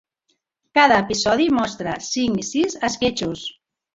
Cada episodi mostra cinc i sis esquetxos.